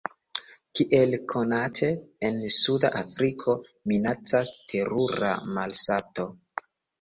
Kiel konate, en suda Afriko minacas terura malsato.